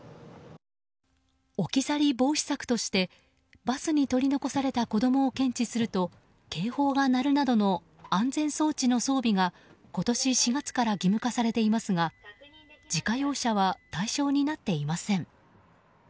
置き去り防止策としてバスに取り残された子供を検知すると警報が鳴るなどの安全装置の装備が今年４月から義務化されていますが自家用車は対象になっていません。